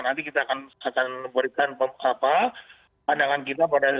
nanti kita akan berikan pandangan kita pada